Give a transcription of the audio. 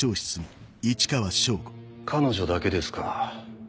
彼女だけですか。